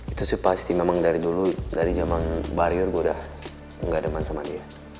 itu sih pasti memang dari dulu dari zaman barrior gue udah gak demand sama dia